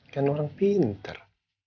kan orang pintar